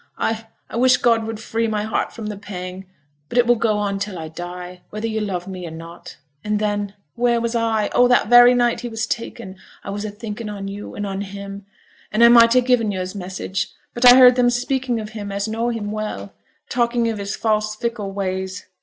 I I wish God would free my heart from the pang; but it will go on till I die, whether yo' love me or not. And then where was I? Oh! that very night that he was taken, I was a thinking on yo' and on him; and I might ha' given yo' his message, but I heard them speaking of him as knew him well; talking of his false fickle ways.